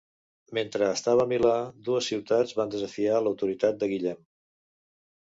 Mentre estava a Milà, dues ciutats van desafiar l'autoritat de Guillem: